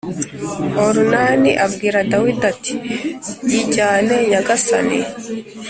Orunani abwira dawidi ati yijyane nyagasani